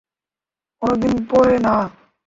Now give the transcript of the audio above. অনেক দিন পরে, না?